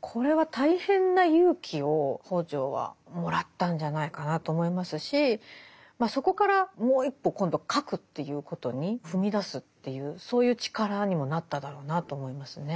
これは大変な勇気を北條はもらったんじゃないかなと思いますしそこからもう一歩今度書くということに踏み出すというそういう力にもなっただろうなと思いますね。